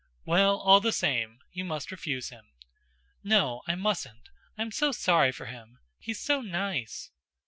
"Well, all the same, you must refuse him." "No, I mustn't. I am so sorry for him! He's so nice."